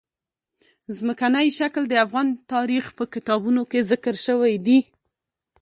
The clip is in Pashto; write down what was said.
ځمکنی شکل د افغان تاریخ په کتابونو کې ذکر شوی دي.